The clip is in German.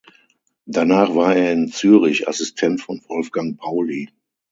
Danach war er in Zürich Assistent von Wolfgang Pauli.